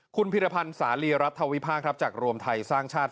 ขูลพิฏพันธ์สารีรัฐวิพาธิ์ร่วมไทยสร้างชาติ